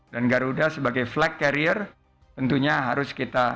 dan garuda sebagai flag carrier tentunya harus kita